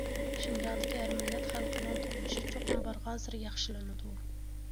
شىنجاڭدىكى ھەر مىللەت خەلقىنىڭ تۇرمۇشى چوقۇم بارغانسېرى ياخشىلىنىدۇ!